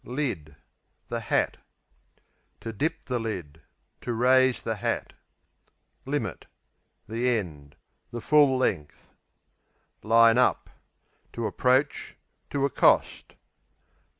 Lid The hat. To dip the lid To raise the hat. Limit The end; the full length. Line up To approach; to accost.